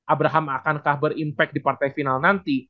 abraham akankah berimpak di partai final nanti